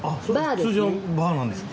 通常のバーなんですか？